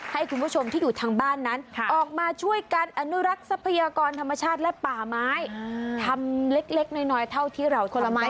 ให้คุณผู้ชมที่อยู่ทางบ้านนั้นออกมาช่วยกันอนุรักษ์ทรัพยากรธรรมชาติและป่าไม้ทำเล็กน้อยเท่าที่เราทนไม้